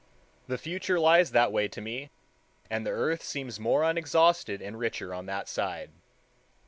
The future lies that way to me, and the earth seems more unexhausted and richer on that side.